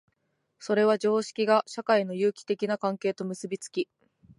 それは常識が社会の有機的な関係と結び付き、